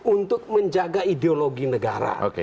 untuk menjaga ideologi negara